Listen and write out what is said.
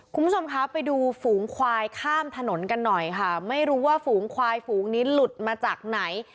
คุณผู้ชมคะไปดูฝูงควายข้ามถนนกันหน่อยค่ะไม่รู้ว่าฝูงควายฝูงนี้หลุดมาจากไหน